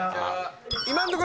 今のとこ。